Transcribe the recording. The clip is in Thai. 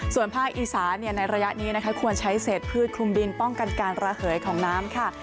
ส่วนภาคอีสานในระยะนี้นะคะควรใช้เศษพืชคลุมดินป้องกันการระเหยของน้ำค่ะ